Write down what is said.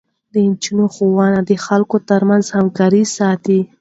د نجونو ښوونه د خلکو ترمنځ همکاري ساتي.